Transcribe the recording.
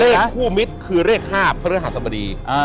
เลขคู่มิตรคือเลข๕พระฤหัสบดี